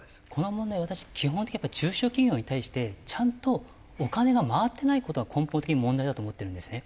基本的に中小企業に対してちゃんとお金が回ってない事が根本的に問題だと思ってるんですね。